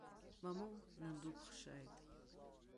Мамоу, нан дукәыхшааит.